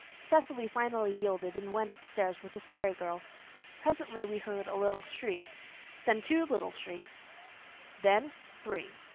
Cecily finally yielded and went upstairs with the Story Girl. Presently we heard a little shriek then two little shrieks then three.